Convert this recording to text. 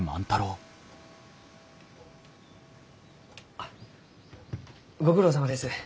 あっご苦労さまです。